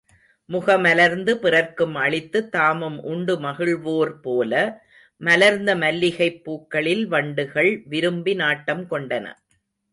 முகமலர்ந்து பிறர்க்கும் அளித்துத் தாமும் உண்டு மகிழ்வோர்போல மலர்ந்த மல்லிகைப் பூக்களில் வண்டுகள் விரும்பி நாட்டம் கொண்டன.